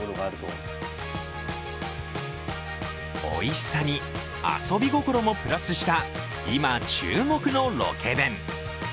おいしさに遊び心もプラスした今注目のロケ弁。